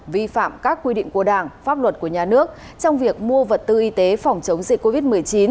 vi phạm các quy định của đảng pháp luật của nhà nước trong việc mua vật tư y tế phòng chống dịch covid một mươi chín